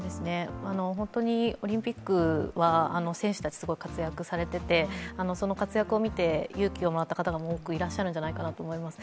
本当にオリンピックは選手たち、すごい活躍されていてその活躍を見て勇気をもらった方が多いんじゃないかなと思います。